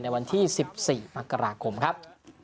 วันที่๑๔มกราคมครับ